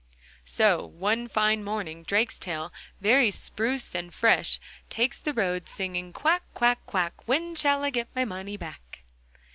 So one fine morning Drakestail, very spruce and fresh, takes the road, singing: 'Quack, quack, quack, when shall I get my money back?